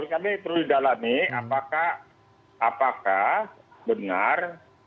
ya itu yang perlu didalami apakah benar